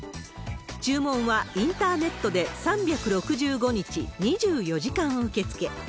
注文はインターネットで３６５日２４時間受け付け。